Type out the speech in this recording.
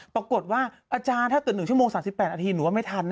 ปรากฏว่าอาจารย์ถ้าเกิด๑ชั่วโมง๓๘นาทีหนูว่าไม่ทันนะ